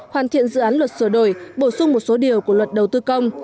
hoàn thiện dự án luật sửa đổi bổ sung một số điều của luật đầu tư công